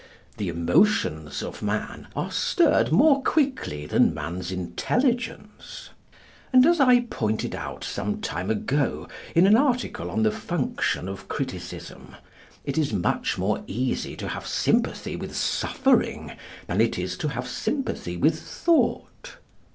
The emotions of man are stirred more quickly than man's intelligence; and, as I pointed out some time ago in an article on the function of criticism, it is much more easy to have sympathy with suffering than it is to have sympathy with thought.